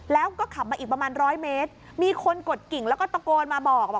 แล้วก็ขับมาอีกประมาณร้อยเมตรมีคนกดกิ่งแล้วก็ตะโกนมาบอกว่า